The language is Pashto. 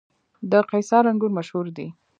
د قیصار انګور مشهور دي